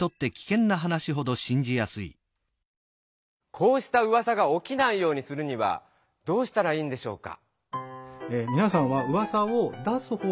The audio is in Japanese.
こうしたうわさがおきないようにするにはどうしたらいいんでしょうか？